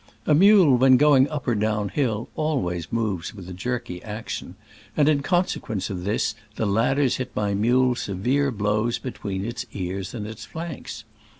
A mule when going up or down hill always moves with a jerky action, and in consequence of this the ladders hit my mule severe blows be tween its ears and its flanks.